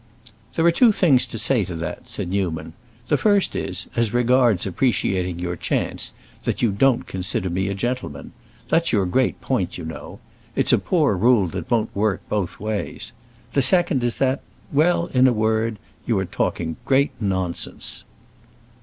"There are two things to say to that," said Newman. "The first is, as regards appreciating your 'chance,' that you don't consider me a gentleman. That's your great point you know. It's a poor rule that won't work both ways. The second is that—well, in a word, you are talking great nonsense!"